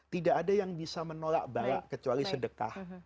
tidak ada yang bisa menolak bala kecuali sedekah